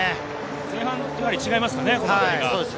前半とは違いますかね？